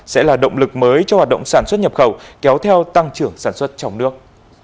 sẽ là động lực mới cho hoạt động sản xuất nhập khẩu kéo theo tăng trưởng sản xuất trong nước